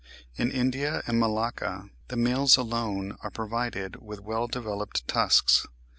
In India and Malacca the males alone are provided with well developed tusks.